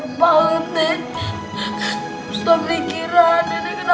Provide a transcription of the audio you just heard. terbatas seratus nikmat